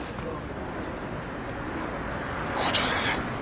校長先生。